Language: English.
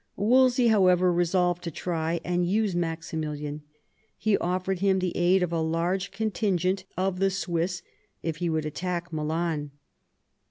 Wolsey, however, resolved to try and use Maximilian ; he offered him the aid of a large contingent of the Swiss if he would attack Milan.